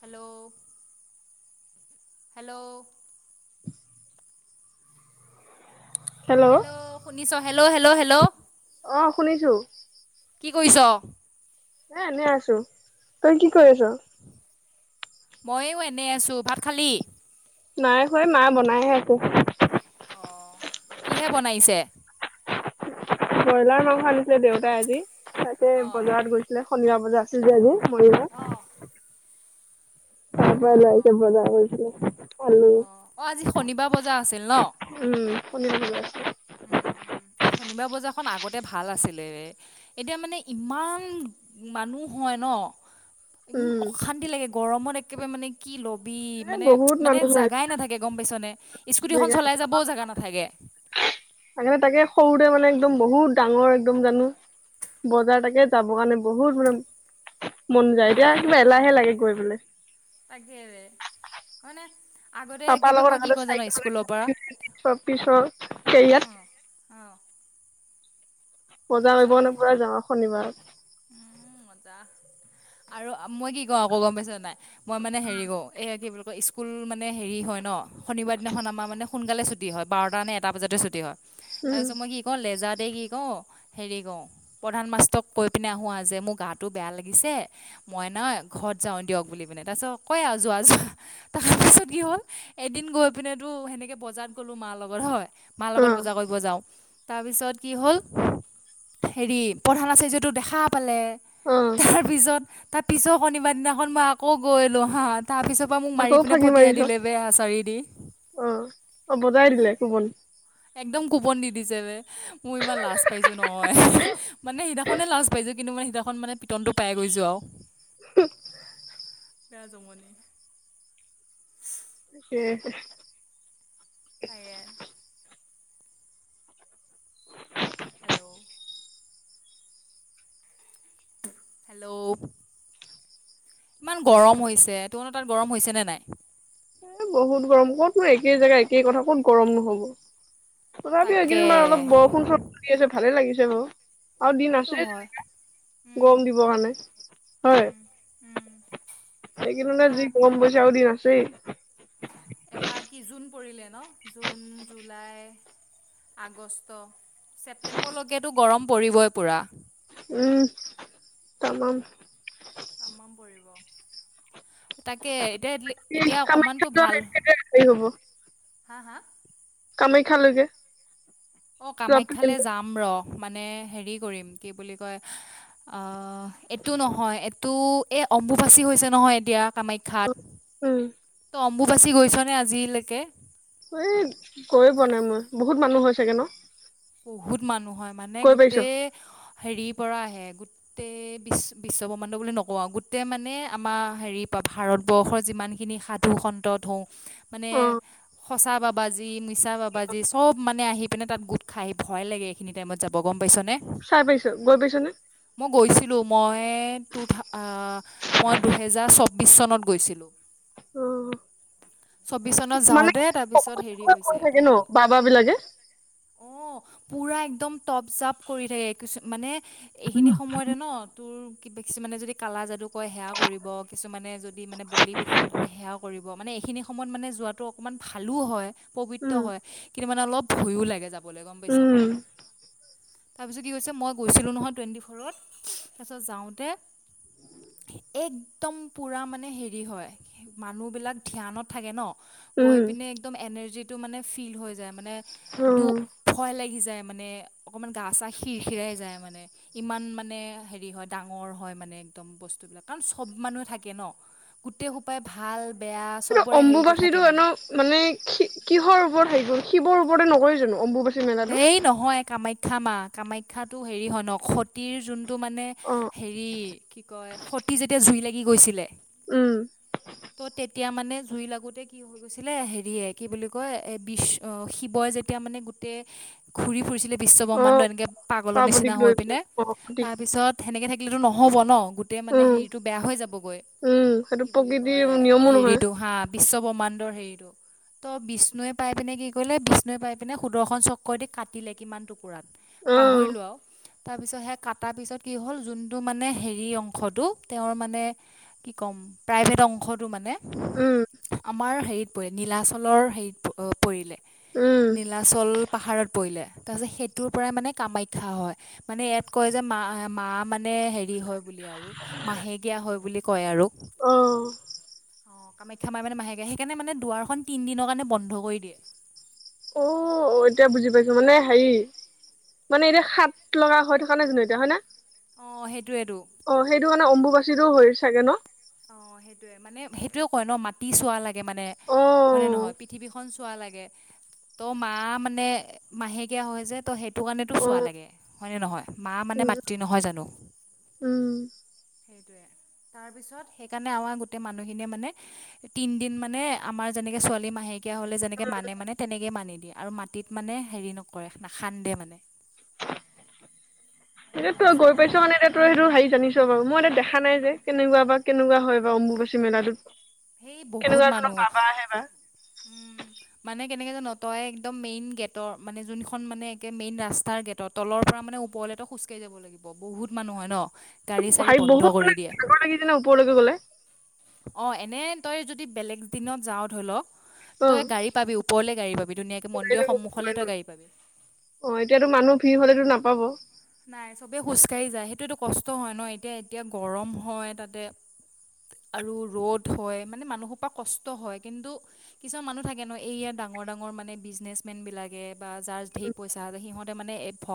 Hello hello hello hello শুনিছ hello hello hello অ শুনিছো কি কৰিছ এ এনেই আছো তই কি কৰি আছ ময়ো এনে আছো ভাত খালি? নাই [unintelligible] মা বনাইহে আছে কিহে বনাইছে ব্ৰইলাৰ মাংস আনিছিলে দেউতাই আজি তাকে অঁ বজাৰত গৈছিলে সন্ধিয়া বজাৰ আছিল যে আজি অঁ [unintelligible] বজাইছে বজাবছো অ অ আজি শনিবাৰ বজাৰ আছিল ন উম শনিবাৰ বজাৰ আছিল উ উম এই শনিবাৰ বজাৰখন আগতে ভাল আছিলে এতিয়া মানে ইমান মানুহ হয় ন উম অশান্তি লাগে গৰমত এক- কে মানে কি লব- বি এ মানে বহুত মানে মানুহ হয় জাগাই নাথাকে গম পাইছ নে স্কুটিখন চলাই যাবও জাগা নাথাকে আগে তাকে সৰুতে মানে একদম বহুত ডাঙৰ এক্দম জানো বজাৰ তাকে যাব কাৰণে বহুত মানে মন যায় ভাল এতিয়া লাগে কিবা অ এলাহে লাগে গৈ পেলাই তাকেৰে মানে পপাৰ লগৰ পৰা অ চাইেলিছ পিছত [unintelligible] সেইয়াত অ বজা‌কৰিব কাৰণে তাৰপিছত পুৰা যাও শনিবাৰ [unintelligible] মজা আৰু মই কি কওঁ আকৌ গম পাইছ নাই মই মানে হেৰি কৰো এই কি স্কুল মানে হেৰি হয় ন শনিবাৰ দিনা‌ মানে সোনকালে ছুটী হয় বাৰটা নে এটা বজতে ছুটি হয় তাৰ উম পিছত মই কি কওঁ লেজাতে কি কওঁ হেৰি কৰওঁ প্ৰধান মাষ্টক কৈ পিনে আহোঁ আজ মোৰ গাটো বেয়া লাগিছে মই নহ ঘৰত যাওঁ দিয়ক বুলি পিনে তাৰপিছত কয় আৰু যোৱা যোৱা তাৰপিছত কি হ'ল এদিন গৈ পিনেতো সেনেকৈ বজাৰত গ'লোঁ মাৰ লগত হয় মাৰ অ লগত বজা কৰিব যাও তাৰপিছত কি হ'ল হেৰি প্ৰধান আছে যে টো দেখা পালে অ তাৰ পিছত তাৰ পিছত শনিবাৰ দিনাখন মই আকৌ গৈ এলো হা [unintelligible] মোক মাৰি আকৌ পিনে ফাগি পঠিয়াই মাৰিছ দিলে বে আচাৰি দি অ অ বজাই দিলে কোবন [unintelligible] একদম কুপন দি দিছে যে মোৰ ইমান লাজ পাইছো নহ মানে সদি [unintelligible] পাইছো কিন্তু মে সিতাখন মানে পিটনটো পাই গৈছো আৰু হু [unintelligible] বেয়া যমনি উ [unintelligible] উম [inaudible] হেল্ল' ইমান গৰম হৈছে তনো তাত গৰম হৈছে নে নাই এ বহুত গৰম কতোৰ একে জেগা একেই কথা ক'ত গৰম নহব তথাপিও তাকে এইেইদিন বাৰ অলপ বৰষুণৰণ আছে ভালে লাগিছে হেল্ল আৰু দিন সেইটো আছে হয় তেনে গৰম দিবৰ কাৰণে হয় এইকেইদিনতে যি কুৱল পৰিছে আৰু [unintelligible] আছেই এবাৰ কি জোন পৰিলে ন জুন, জুলাই, আগষ্ট, ছেপ্টেম্বৰলৈকেতো গৰম পৰিবই পুৰা উম তামাম তামাম পৰিব তাকে দেতলি এই এতিয়া কামাখ্যা অকমানতটো ভাল যোৱা হেৰি হ'ব হা হা কামাখ্যালৈকে অ যোৱা কামাখ্যালৈ প্লেনটো যাম ৰ মানে হেৰি কৰিম কি বুলি কয় অ এইটো নহয় এইটো এই অম্বুবাচী হৈছে নহয় এতিয়া কামাখ্যাত উম ত অম্বুবাচী গৈছনে আজিলৈকে এ গৈয়ে পোৱা নাই মই বহুত মানুহ হয় চাগে ন বহুত মানুহ হয় মানে গৈ পাইছ গোটেই হেৰিৰ পৰা আহে বিশ বিশ্বব্ৰহ্মাড বুলি নকওঁ গোটেই মানে আমাৰ হেৰি ভাৰতবৰ্ষৰ যিমান খিনি সাধু সন্তত হওঁক মানে অ সঁচা বাবাজি মিছা বাবাজি চব মানে আহি পিনে তাত গোট খাই ভয় লাগে এইখিনি টাইমত যাব গম - পাইছনে চাই পাইছ গৈ পাইছ নে? মই গৈছিলো মই টু থাও আ মই দুহেজাৰ চৌব্বিশ চনত গৈছিলোঁ অ চৌব্বিশ চনত মানে যাওঁতে তাৰপিছত হেৰি হৈছে কৈ থাকে ন বাবা বিলাকে পুৰা একদম টপ জাপ কৰি থাকে কিছু মানে এইখিনি সময়তে ন তোৰ কিবা কিছুমানে যদি কালা যাদু কয় সেয়া কৰিব কিছুমানে যদি মানে বলি বিধান কৰে সেয়া কৰিব মানে এইখিনি সময়ত মানে যোৱাটো অকমান ভালো হয় উম পবিত্ৰ হয় কিন্তু মানে অলপু ভয়ো লাগে যাব- বলে গম পাইছ উম তাৰপিছত কি কৈছে মই গৈছিলো নহয় টুৱেণ্টি ফ'ৰত তাৰপিছত যাওঁতে একদম পুৰা মানে হেৰি হয় মানুহবিলাক ধ্যানত থাকে ন গৈ উম পিনে একদম এনাৰ্জিটো মানে ফিল হৈ যায় মানে অ দু ভয় লাগি যায় মানে অকণমান গা চা হিৰ হিৰাই যায় মানে। ইমান মানে হেৰি হয় ডাঙৰ হয় মানে একদম বস্তুবিলাক কাৰণ চব মানুহে থাকে ন গোটেই সোপাই ভাল বেয়া এইটো চবৰে হেৰিটো অম্বুবাচী থাকে টো এন মানে মানে কি কিহৰ ওপৰত হেৰি [unintelligible] শিৱৰ ওপতে নকৰে জানো অম্বুবাচী মেলাটো এই নহয় কামাখ্যা কাখ্যাম মা কামাখ্যাটো হেৰি হয় ন সতীৰ যোন- টো মানে অ হেৰি কি কয় সতিী যেতিয়া জুই লাগি গৈছিলে উম ত' তেতিয়া মানে জুই লাগোতে কি হৈ গৈছিলে হেৰিয়ে কি বুলি কয় এ বি শিৱই যেতিয়া মানে গো। ঘূৰি ফুৰিছিলে। বিশ্ব অ ব্ৰহ্মাণ্ডু এনেকে পাগলৰ পাৰ্বতীক নিচিনা লৈ হৈ পেলাই পিনে অ প্ৰতীক তাৰ পিছত সেনেকে থাকি। নহ'ব ন। গোটেই মানে উম হেৰিটো বেয়া হৈ যাবগৈ উম সেইটো কি বুলি প্ৰকৃতিৰ কয় নিয়মো নহয় হেৰিটো হাঁ বিশ্বব্ৰহ্মাণ্ডৰ হেৰিটো। ত বিষ্ণুৱে পাই পিনে কি কৰিলে বিষ্ণুৱে পাই পিনে। সুদৰ্শন চক্ৰদি কাটিলে কিমান। কুকুৰাত অ পাহৰি লো আও। তাৰপিছত সে কটাৰ পিছত কি হ'ল যোনটো মানে হেৰি অংশটো তেওঁৰ মানে কি ক'ম প্ৰাইভেট অংশ। মানে উম আমাৰ হেৰি। পৰি নীলাচলৰ হেৰিত পৰিলে। উম নীলাচল পাহাৰত পৰিলে তাৰ পিছত সেইটো পৰা কামেখ্যা হয়, মানে এইয়াত কয় যে মা মানে সেৰি হয়। বুলি আৰু মাহেকীয়াা হয় বুলি। কয় আৰু। অহ। অ কামাখ্যা মাৰ মানে মাহেকে সেইকাৰণে মানে দুৱাৰখন তিন দিনৰ কাৰণে বন্ধ কৰি দিয়ে। অ এতিয়া বুজি পাইছো মানে হেৰি মানে এতিয়া খাট লগা হৈ থকা নাই জানো এতিয়া হয় ন। অঁ সেইটোৱেতো অ সেইটো কাৰণে অম্বুবচী। চিযোহৈ চাগে ন। অ সেইটোয়ে মানে সেইটোয়ে কয় ন মাটি চোৱা লাগে। মানে অ হয়নে নহয় পৃথিৱীখন চোৱা লাগে। ত মা মানে মাহেকীয়া হয় যে ত সেই। টো কাৰণেতো অ চোৱা লাগে। হয়নে নহয়। মা মানে উম মাতৃ নহয় জানো উম সেইটয়ে। তাৰ পিছত। সেইকাৰণে আমাৰ গোটেই মানুহখিনিয়ে মানে তিদিন মানে আমাৰ যেনেকে ছোৱালী মাহেকীয়া। তেয়া হ'লে যেনে মান মান তেনেকে মানি। দে আৰু মাটিত মানে হেৰি নকৰে নাখান্দে মানে। এতিয়া তই গৈ পাইছ মানে এ তই সেইটো হেৰি জানিছ। বাৰু মই এতিয়া দেখা নাই যে কেনেকুৱা বা কেনেকুৱা হয় বাু অম্বুবাচী মেলাটোত। সেই বহুত কেনেকুৱা ধৰণৰ মানুহ বাবা আহে বা। উম, মানে কেনেকে জান তই একদম মেইন গেটৰ মানে যোনখন মানে একে মেইন ৰাস্তাৰ গেটৰ তলৰ পৰা মানে ওপৰলে খোজকাঢি যাব লাগিব বহুত মানুহ হয় ন। গাড়ী চাড়ী হ বন্ধ বহুত কৰি মে দিয়ে ডগৰ লাগিছে ন ওপৰলৈকে গলে। অ এনে তই যদি বেলেগ দিনত যাৱও ধৰি লওক। অ তই গাড়ী পাবি ওপৰলে গাড়ী পাবি ধুনীয়াকে গাড়ী লৈ মন্দিৰৰ গ'ব সন্মুখলৈ নোৱাৰি ন। তই গাড়ী পাবি। অ এতিয়াতো মানুহ ভিৰ হলেতো নাপাব অ নাই চবে খোজ কঢ়ি যায়। সেইটো এইটো কষ্ট হয় ন এতিয়া এতিয়া গৰম হয় তাতে আৰু ৰ'দ হয় মানে মানুহৰ পৰা কষ্ট হয়। কিন্তু কিছুমান মানুহ থাকে ন এই ইয়াত ডাঙৰ ডাঙৰ মানে বিজনেচ মেন বিলাকে বা যাৰ ধেৰ পইচা আছে সিহঁতে মানে ভ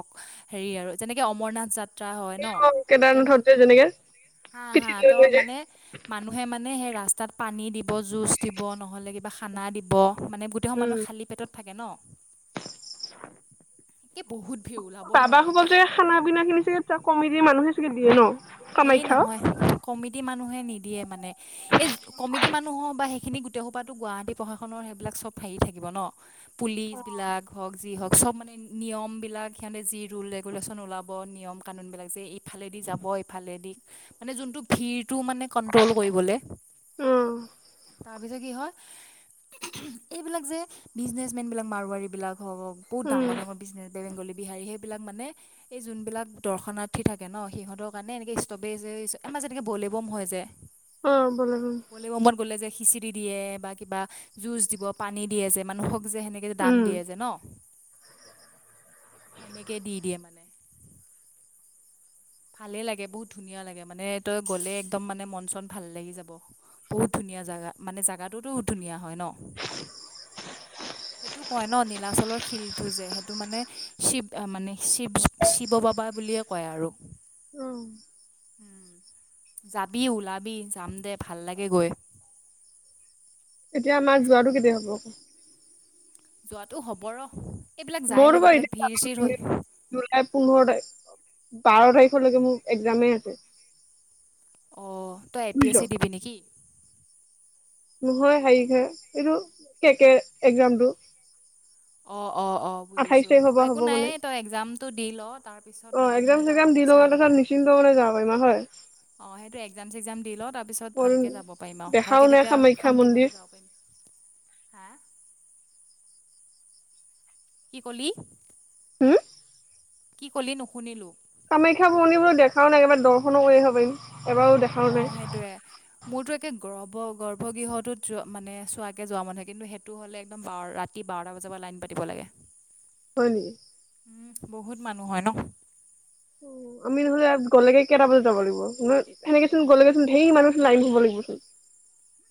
হেৰি আৰু যেনেকে অমৰনাথ যা ত্ৰা হয় ন। কেদাৰনাথত যে যেনেকে হা হা পিঠিত ত' লৈ লৈ যায় মানে মানুহে মানে হে ৰাত ৰাস্তাত পানী দিব, জুচ দিব, নহ'লে কিবা খানা দিব। মানে গোটেই বোৰ মানুহ উম খালী পেটত থাকে ন। এ বহুত ভিৰ ওলাব বাবা নোৱাৰি। সোপা চাগে খানা পিনা খিনি চাগে চব কমিতি মানুহে চাগে দিয়ে ন। এই কামাখ্যা নহয় কমি তি মানুহে নিদিয়ে মানে। এই কমিটি মানুহৰ বা সেইখিনি গোটেই সোপাতো গুৱাহাটী প্ৰশাসনৰ সেইবিলাক চব হেৰি থাকিব ন পুলিচ বিলাক হওঁক যি হওঁক চব মানে নিয়মবিলাক সিহঁতে যি ৰোল ৰেগুলেশ্যন ওলাব নিয়ম কানুন বিলাক যে এইফালেদি যাব ফলে দি মানে যোনটো ভিৰ টো মানে কনট্ৰ'ল কৰিবলৈ। উম কি হয় এইবিলাক যে বিজনেচ মেন বিলাক মাৰোৱাৰী বিলাক হ হ বহুত উম ডাঙৰ ডাঙৰ বিজনেচ বেংগলী, বিহাৰী সেই এইবিলাক মানে এই যোনবিলাক দৰ্শনাৰ্থী থাকে ন সিহঁতক মানে এনেকে ষ্ট'পেজ যে আমাৰ যেনেকে বলেব'ম হয় যে। অ' বলে ব'ম। বলেবমত গ'লে যে খিচিৰি দিয়ে বা কিবা জুচ দিব, পানী দিয়ে যে মানুহক যে সেনেকে দান উম দিয়ে যে ন' সেনেকে দি দিয়ে। ভালে লাগে বহুত ধুনীয়া লাগে মানে। তই গ'লে একদম মানে মন চন ভাল লাগি যাব। বহুত ধুনীয়া জাগা মানে জোগাটোতো ধুনীয়া হয় ন। সেইটো কয় ন নীলাচলৰ শিলটো যে সেইটো মানে শিৱ মানে শিৱ শিৱ বাবা বুলিয়ে কয় আৰু উম। উম যাবি ওলাবি যাম দে ভাল লাগে গৈ। এতিয়া আমাৰ যোৱাটো কেতিয়া হ'ব? যোৱা টো হ'ব ৰহ। মোৰ বাৰু এতিয়া জুলাই পোন্ধৰ তাৰিখ বাৰ তাৰিখ তাৰলৈকে মোৰ এক্জামে আছে। অ' তই এ পি এছ বুজিছ চি দিবি নেকি? নহয় হেৰি হে এইটো একে এক্জামটো। অ'। আঠাইশ অ'অ'বুজিছো তাৰিখৰ অ পৰা একো হ'ব নাই মানে তই এক্জামটো দি ল। তাৰপিছত অ এক্জাম বাকীখিনি বাৰু চেক্জাম আমি দি লওঁ চাই লম। তাৰপিছত নিশ্চিন্ত মনে যাব পাৰিম আৰু হয় অ' সেইটো একজাম চেকজাম দি ল। তাৰপিছত মোৰ ভালকে যাব পাৰিম অ' দেখাও ভালকে নাই তেতিয়া কামাখ্যা শান্তি মনে মন্দিৰ যাব পাৰিম হা কি কলি হম কি কলি নুশুনিলো কামাখ্যা ভগণি বো দেখাও নাই একেবাৰে দৰ্শনো কৰি আহ পাৰিম এবাৰো দেখাও অঁ সেইটোৱে নাই মোৰতো একে গৰ্ভ গৰ্ভগৃহটোত যোৱা মানে চোৱাকে যোৱা মানুহ কিন্তু সেইটো হ'লে একদম ৰাতি বাৰটা বজাৰ পৰা লাইন পাতিব লাগে হয় নী বহুত মানুহ হয় ন আমি নহলে গলেগে কেইটা বজাত যাব লাগিব সেনেকে চুন গলেগে চুন ধেই মানুহচুন লাইন ধৰিব লাগিবচুন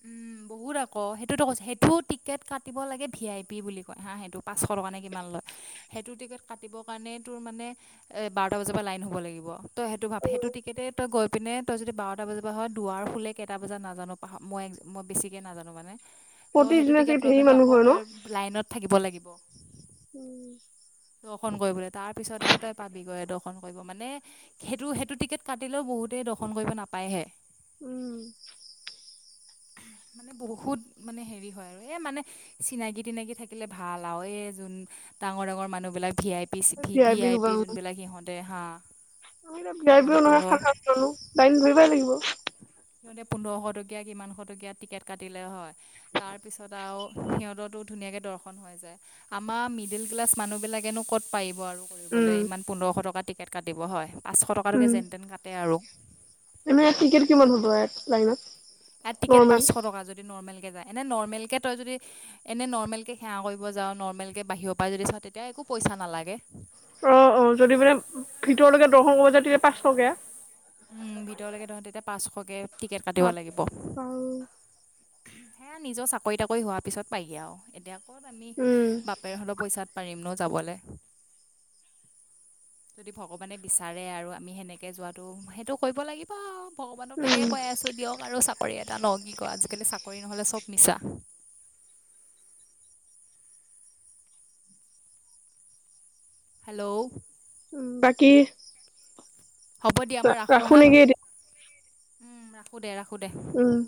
উম বহুত আকৌ সেইটোতো কৈছ সেইটো টিকেট কাটিব লাগে ভি আই পি বুলি কয় হা সেইটো পাঁচশ টকা নে কিমান লয় সেইটো টিকেট কাটিব কাৰণে তোৰ মানে এ বাৰটা বজাৰ পৰা লাইন হব লাগিব তই সেইটো ভাব অ সেইটো টিকেতে তই গৈ পিনে তই যদি বাৰটা বজাৰ পৰা হয় দুৱাৰ খোলে কেইটা বজাত নাজানো পাহৰি মই এক মই বেছিকৈ নাজানো মানে ত' সেইটো প্ৰতিদিনে টিকেট চাগে লৈ ধেৰ পিনে মানুহ আকৌ হয় তই লাইনত থাকিব লাগিব উম অখন কএ বোলে তাৰ পিছতহে তই পাবিগৈ দৰ্শন কৰিব মানে সেইটো সেইটো টিকেট কাটিলেও বহুত তেই দৰ্শন কৰিব নাপায়হে উম মানে বহুত মানে হেৰি হয় আৰু এ মানে চিনাকি টিনাকি থাকিলে ভাল আও এই যোন ডাঙৰ ডাঙৰ মানুহ ভি আই পি হবা উম সিহঁতে হা ভি আই পি সিহঁতে নহয় পোন্ধৰ সাতনো লাইন ধৰিবাই লাগিব সিহঁতে পোন্ধৰশ টকীয়া কিমানশ টকীয়া টিকেট কাটিলে হয় তাৰ পিছত আৰু সিহতৰতো ধুনীয়াকে দৰ্শন হৈ যায় আমাৰ মিডিল ক্লাছ মানুহ বিলাকেনো ক'ত পাৰিব আৰু কৰিবলে উম ইমান পোন্ধৰশ টকা টিকেট কাটিব হয় পাঁচশ টকালৈকে উম। যেন তেন কাটে আৰু এনে টিকেট কিমান হ'ব লাইনত এ টিকেট নৰ্মেল? পাঁচশ টকা যদি নৰ্মেল এ নৰ্মেল কে তই যদি এনে নৰ্মেল কে সেৱা কৰিব যা নৰ্মেল কে বাহিৰৰ পৰা যদি চা তেতিয়া একো পইচা নালাগে অ অ যদি মানে ভিতৰলৈকে দৰ্শন কৰিব যায় তেতিয়া পাঁচশকে উম ভিতৰলৈকে তহ তেতিয়া পাঁচশকে টিকেট কাটিব বাপ্পা লাগিব সেয়া ঐ নিজৰ চাকৰি তাকৰি হোৱাৰ পিছত পাই আও কত আমি উম বাপেৰ হঁতৰ পইচাত পাৰিম ন যাবলৈ যদি ভগৱানে বিচাৰে আৰু আমি সেনেকে যোৱাটো সেইটো কৰিব লাগিব ভগৱানক তাকে উম কৈ আছো দিয়ক আৰু চাকৰি এটা লও কি ক আজিকালি চাকৰি কৰি নহ'লে চব মিছা হেল্ল' উ বাকী হব দিয়া মই ৰাখোঁ ৰাখো হা নেকি এতিয়া উম ৰাখো দে ৰাখো উম সুদে